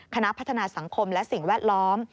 คณะพัฒนาสังคมและสิ่งแวดล้อม